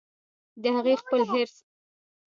د هغې خپل حرص هغه په دې دام کې ګیر کړه